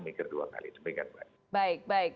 mikir dua kali semoga ingat pak baik